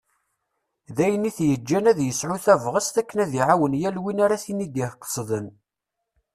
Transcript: D ayen i t-yettaǧǧan ad yesɛu tabɣest akken ad iɛawen yal win ara ten-id-iqesden.